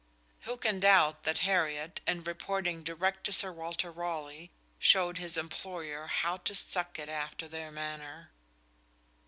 Who can doubt that Hariot, in reporting direct to Sir Walter Raleigh, showed his employer how "to suck it after their maner"?